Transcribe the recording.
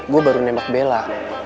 gue baru nembak bella